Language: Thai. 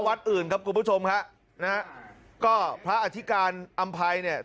วัดอื่นครับคุณผู้ชมฮะนะฮะก็พระอธิการอำภัยเนี่ย